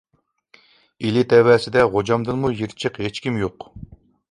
ئىلى تەۋەسىدە غوجامدىنمۇ يېرى جىق ھېچكىم يوق.